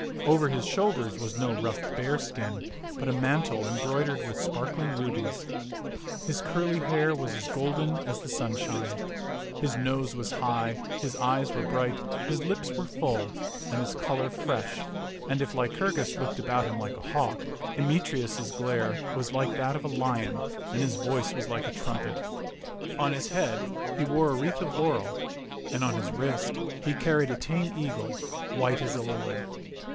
Over his shoulders was no rough bearskin, but a mantle embroidered with spar kling rubies. His curly hair was as golden as the sun z6 t^t MWx^^'b tah shine. His nose was high, his eyes were bright, his lips were full, and his color fresh, and if Lycurgus looked about him like a hawk, Emetreus's glare was like that of a lion, and his voice was like a trumpet. On his head he wore a wreath of laurel, and on his wrist he carried a tame eagle white as a lily.